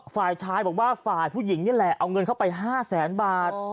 ฝ่ายชายบอกว่าฝ่ายผู้หญิงนี่แหละเอาเงินเข้าไป๕แสนบาท